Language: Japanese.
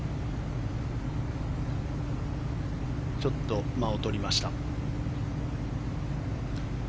ちょっと間を取りました。